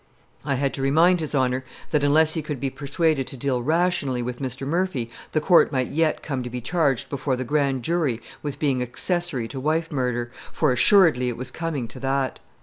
I had to remind his Honor that unless he could be persuaded to deal rationally with Mr. Murphy the court might yet come to be charged before the Grand Jury with being accessory to wife murder, for assuredly it was coming to that.